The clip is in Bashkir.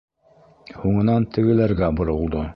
Һуңынан тегеләргә боролдо.